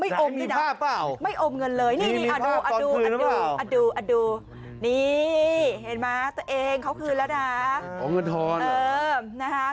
ไม่อมเลยนะไม่อมเงินเลยนี่อดูนี่เห็นไหมตัวเองเขาคืนแล้วนะ